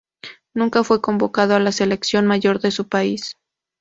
Nunca fue convocado a la selección mayor de su país.